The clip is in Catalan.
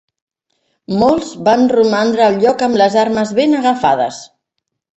Molts van romandre al lloc amb les armes ben agafades.